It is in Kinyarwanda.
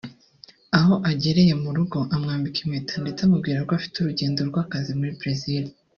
Aho ahagereye mu rugo amwambika impeta ndetse amubwira ko afite urugendo rw’akazi muri Bresil